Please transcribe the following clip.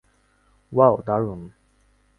Wow, দারুণ!